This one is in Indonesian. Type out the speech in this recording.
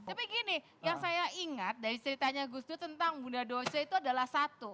tapi gini yang saya ingat dari ceritanya gus dur tentang bunda dosi itu adalah satu